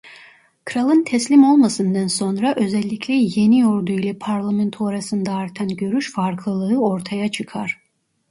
Kralın teslim olmasından sonra özellikle Yeni Ordu ile Parlamento arasında artan görüş farklılığı ortaya çıkar.